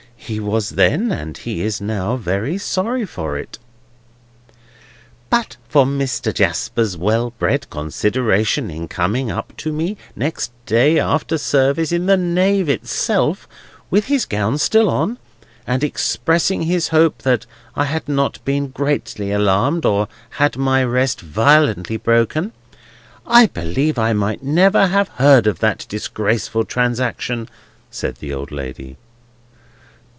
He was then, and he is now, very sorry for it." "But for Mr. Jasper's well bred consideration in coming up to me, next day, after service, in the Nave itself, with his gown still on, and expressing his hope that I had not been greatly alarmed or had my rest violently broken, I believe I might never have heard of that disgraceful transaction," said the old lady.